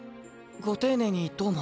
ご丁寧にどうも。